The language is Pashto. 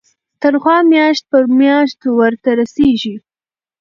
تنخوا میاشت په میاشت ورته رسیږي.